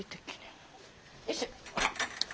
よいしょ。